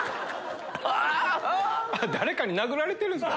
誰かに殴られてるんすか。